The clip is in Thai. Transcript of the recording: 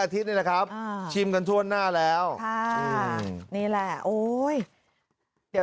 นี่แหละครับชิมกันทั่วหน้าแล้วค่ะนี่แหละโอ้ยเดี๋ยว